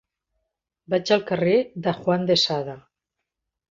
Vaig al carrer de Juan de Sada.